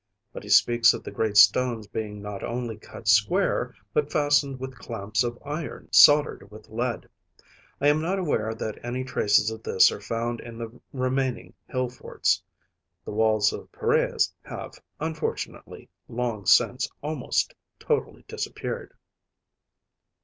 But he speaks of the great stones being not only cut square, but fastened with clamps of iron soldered with lead. I am not aware that any traces of this are found in the remaining hill forts. The walls of the Peiræus have, unfortunately, long since almost totally disappeared.